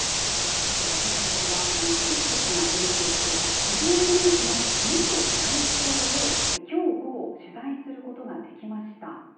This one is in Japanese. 私たちはこの不適切な取り引きをしていた企業グループの元代表を今日午後取材することができました。